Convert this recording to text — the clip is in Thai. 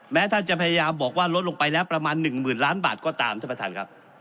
ท่านจะพยายามบอกว่าลดลงไปแล้วประมาณ๑๐๐๐ล้านบาทก็ตามท่านประธานครับ